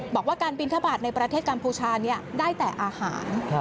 บอกว่าการบินทบาทในประเทศกัมพูชาได้แต่อาหาร